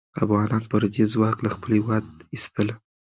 افغانان به پردی ځواک له خپل هېواد ایستله.